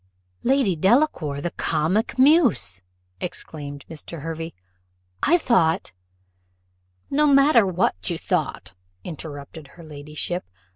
"Lady Delacour, the comic muse!" exclaimed Mr. Hervey. "I thought " "No matter what you thought," interrupted her ladyship.